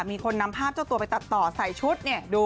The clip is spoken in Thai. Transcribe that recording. มีคนนำภาพจับตัวไปตัดต่อใส่ชุด